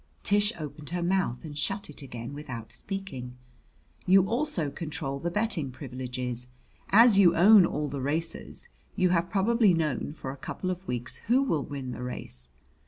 Tish opened her mouth and shut it again without speaking. "You also control the betting privileges. As you own all the racers you have probably known for a couple of weeks who will win the race.